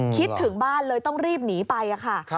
คิดถึงบ้านเลยต้องรีบหนีไปค่ะ